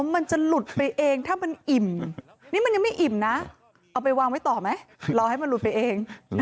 มันจะหลุดไปเองถ้ามันอิ่มนี่มันยังไม่อิ่มนะเอาไปวางไว้ต่อไหมรอให้มันหลุดไปเอง